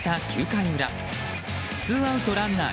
９回裏ツーアウトランナー